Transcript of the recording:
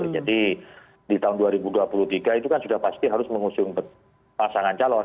jadi di tahun dua ribu dua puluh tiga itu kan sudah pasti harus mengusung pasangan calon